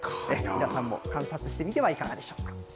皆さんも観察してみてはいかがでしょうか。